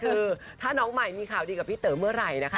คือถ้าน้องใหม่มีข่าวดีกับพี่เต๋อเมื่อไหร่นะคะ